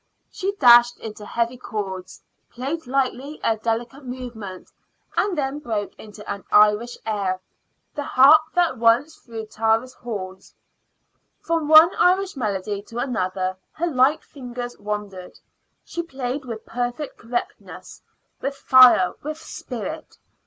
She dashed into heavy chords, played lightly a delicate movement, and then broke into an Irish air, "The Harp that once through Tara's Halls." From one Irish melody to another her light fingers wandered. She played with perfect correctness with fire, with spirit.